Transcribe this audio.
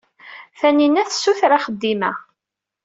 Tanina tessuter axeddim-a.